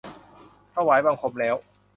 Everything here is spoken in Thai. ถวายบังคมแล้ว